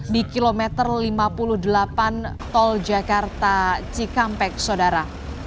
di kilometer lima puluh delapan tol jakarta cikampek saudara